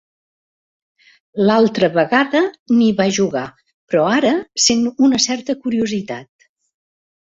L'altra vegada ni va jugar, però ara sent una certa curiositat.